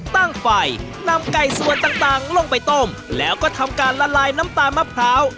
ตั้งไฟนำไก่ส่วนต่างลงไปต้มแล้วก็ทำการละลายน้ำตาลมะพร้าว